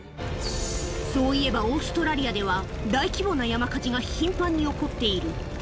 そういえばオーストラリアでは、大規模な山火事が頻繁に起こっている。